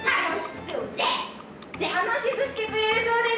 楽しくしてくれるそうです！